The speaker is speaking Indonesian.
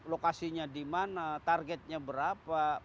lokasinya di mana targetnya berapa